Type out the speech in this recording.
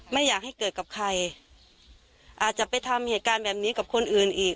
ไม่อยากให้เกิดกับใครอาจจะไปทำเหตุการณ์แบบนี้กับคนอื่นอีก